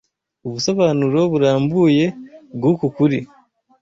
Ubusobanuro burambuye bw’uku kuri